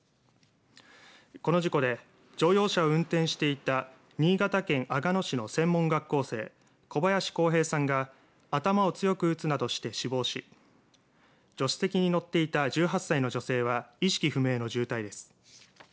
この事故で乗用車を運転していた新潟県阿賀野市の専門学校生小林康平さんが頭を強く打つなどして死亡し助手席に乗っていた１８歳の女性は意識不明の重体です。